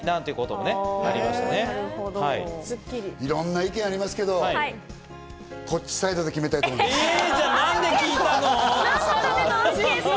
いろんな意見がありますけど、こっちサイドで決めたいと思います。